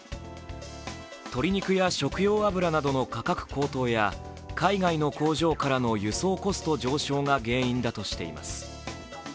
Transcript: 鶏肉や食用油などの価格高騰や海外の工場からの輸送コスト上昇が原因だとしています。